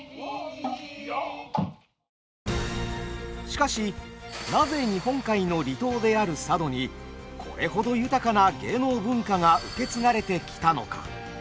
しかしなぜ日本海の離島である佐渡にこれほど豊かな芸能文化が受け継がれてきたのか。